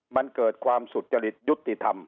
มันเกิดความสุจริตยุติธรรม